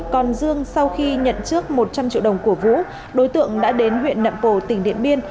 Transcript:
còn dương sau khi nhận trước một trăm linh triệu đồng của vũ đối tượng đã đến huyện nậm pồ tỉnh điện biên